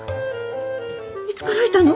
いつからいたの？